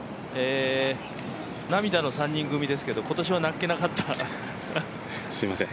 涙の３人組ですけど、今年は泣けなかった。